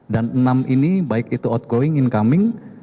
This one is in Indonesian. dan enam ini baik itu outgoing incoming